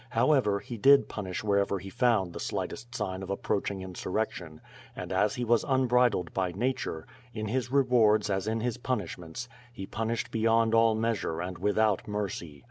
However, he did punish where ever he found the slightest sign of approaching insurrection, and as he was unbridled by nature, in his rewards as in his punishments, he punished beyond all measure and without mercy.